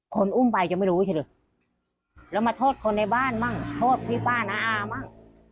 คนอุ่มไปจะไม่รู้สิล่ะแล้วมาโทษคนในบ้านบ้างโทษพี่บ้านฮฮ่าบ้าง